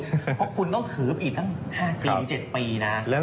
เพราะคุณต้องขืบอีกตั้ง๕๗ปีนะ